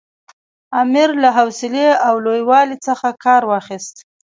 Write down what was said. امیر له حوصلې او لوی والي څخه کار واخیست.